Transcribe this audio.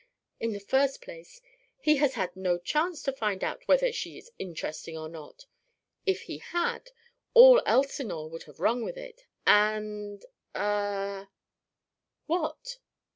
In the first place, he has had no chance to find out whether she is interesting or not if he had, all Elsinore would have rung with it. And ah " "What?"